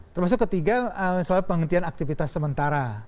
termasuk ketiga soal penghentian aktivitas sementara